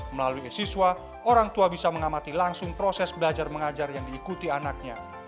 melalui e siswa orang tua bisa mengamati langsung proses belajar mengajar yang diikuti anaknya